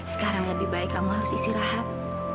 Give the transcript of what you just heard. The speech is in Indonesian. sekarang lebih baik kamu harus istirahat